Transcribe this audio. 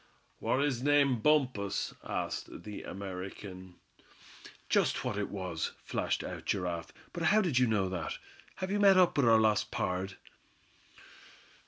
"War his name Bumpus?" asked the American. "Just what it was," flashed out Giraffe; "but how did you know that? Have you met up with our lost pard?"